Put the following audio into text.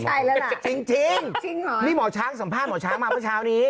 ใช่แล้วล่ะจริงจริงเหรอนี่หมอช้างสัมภาษณ์หมอช้างมาเมื่อเช้านี้